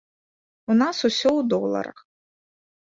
У нас усё ў доларах.